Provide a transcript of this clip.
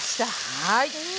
はい。